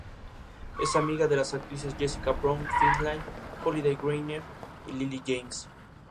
no pueden considerarse como menos violencia